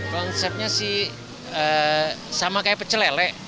konsepnya sih sama kayak pecelelek